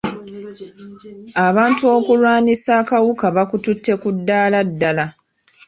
Abantu okulwanisa akawuka bakututte ku ddaala ddala.